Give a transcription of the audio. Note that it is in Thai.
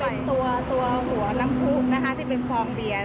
มันจะเป็นตัวหัวน้ำพลูกที่เป็นทองเรีย